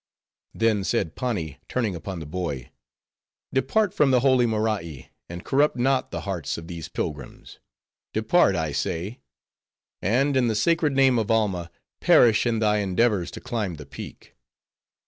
Then said Pani, turning upon the boy, "Depart from the holy Morai, and corrupt not the hearts of these pilgrims. Depart, I say; and, in the sacred name of Alma, perish in thy endeavors to climb the Peak."